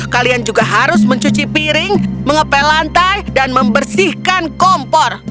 kalian harus mencuci piring mengepil lantai dan membersihkan kompor